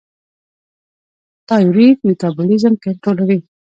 تایرویډ میټابولیزم کنټرولوي.